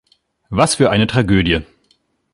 Was für eine Tragödie.